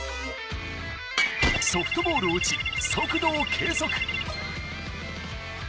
ソフトボールを打ち、速度を計測。